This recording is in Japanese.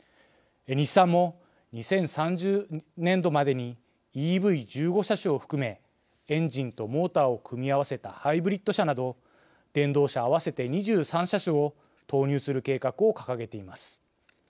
日産も２０３０年度までにＥＶ１５車種を含めエンジンとモーターを組み合わせたハイブリッド車など電動車、合わせて２３車種を投入する計画を掲げています。